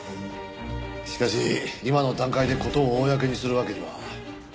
しかし今の段階で事を公にするわけには。